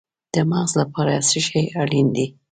د مغز لپاره څه شی اړین دی؟